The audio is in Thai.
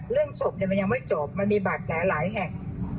เรื่องศพยังไม่จบมันมีบาดหลายแห่ง